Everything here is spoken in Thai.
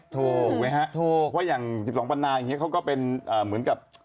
ถูกไหมฮะเพราะว่าอย่างสิบสองพันนาอย่างนี้เขาก็เป็นเหมือนกับ